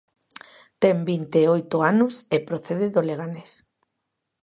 Ten vinte e oito anos e procede do Leganés.